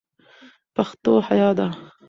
پښتو حیا ده